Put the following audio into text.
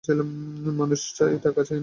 মানুষ চাই, টাকা চাই না।